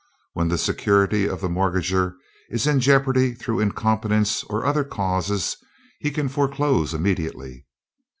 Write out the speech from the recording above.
When the security of the mortgager is in jeopardy through incompetence or other causes he can foreclose immediately."